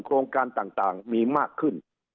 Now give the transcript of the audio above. โครงการต่างมีมากขึ้น